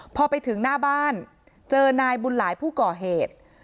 พอไปถึงหน้าบ้านเจอนายบุญหลายผู้ก่อเหตุ